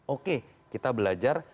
oke kita belajar